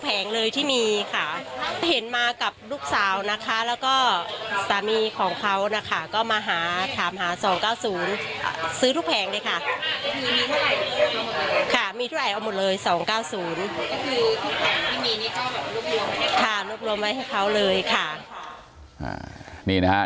ทุกแผงเลยที่มีค่ะเห็นมากับลูกสาวนะคะแล้วก็สามีของเขานะคะก็มาถามหา๒๙๐ซื้อทุกแผงเลยค่ะ